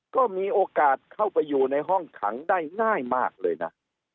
ก็มีโอกาสเข้าไปอยู่ในห้องขังได้ง่ายมากเลยนะ